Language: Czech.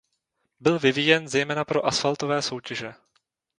Byl vyvíjen zejména pro asfaltové soutěže.